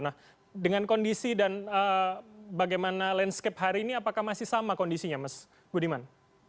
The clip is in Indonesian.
nah dengan kondisi dan bagaimana landscape hari ini apakah masih sama kondisinya mas budiman